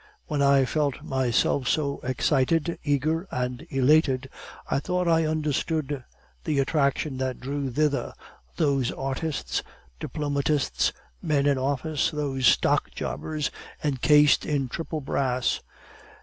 When I felt myself so excited, eager, and elated, I thought I understood the attraction that drew thither those artists, diplomatists, men in office, those stock jobbers encased in triple brass.